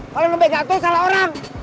kalau lo bega tuh salah orang